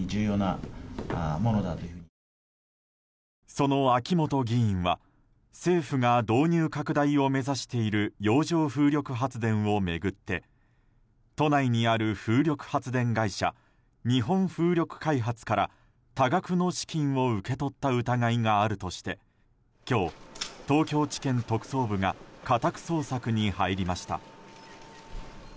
その秋本議員は政府が導入拡大を目指している洋上風力発電を巡って都内にある風力発電会社日本風力開発から多額の資金を受け取った疑いがあるとして今日、東京地検特捜部が家宅捜索に入りました。